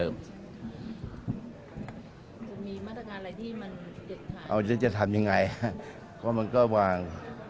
มันจะทำยังไงมันก็วาง